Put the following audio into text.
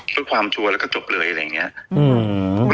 เพื่อความชัวร์แล้วก็จบเลยอะไรอย่างนี้